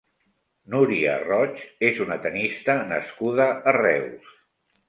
Núria Roig és una tennista nascuda a Reus.